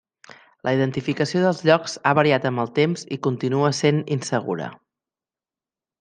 La identificació dels llocs ha variat amb el temps i continua essent insegura.